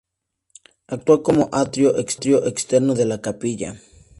Actúa como atrio externo de la capilla.